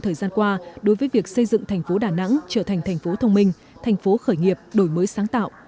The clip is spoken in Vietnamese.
thời gian qua đối với việc xây dựng tp đà nẵng trở thành tp thông minh tp khởi nghiệp đổi mới sáng tạo